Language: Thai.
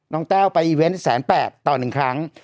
แต้วไปอีเวนต์๑๘๐๐ต่อ๑ครั้ง